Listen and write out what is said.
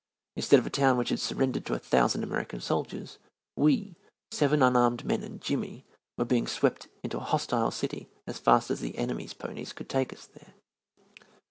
Instead of a town which had surrendered to a thousand American soldiers, we, seven unarmed men and Jimmy, were being swept into a hostile city as fast as the enemy's ponies could take us there.